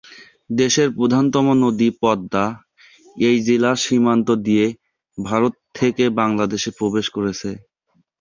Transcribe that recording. দেশের প্রধানতম নদী পদ্মা এই জেলার সীমান্ত দিয়ে ভারত থেকে বাংলাদেশে প্রবেশ করেছে।